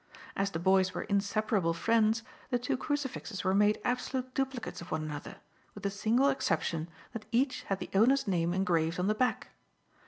As the boys were inseparable friends, the two crucifixes were made absolute duplicates of one another, with the single exception that each had the owner's name engraved on the back.